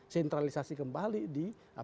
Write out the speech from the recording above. sentralisasi kembali di